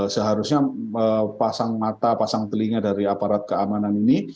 seharusnya pasang mata pasang telinga dari aparat keamanan ini